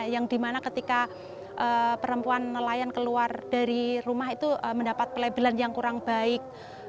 yang dimana ketika perempuan nelayan keluar dari rumah itu mendapat pelabelan yang kurang baik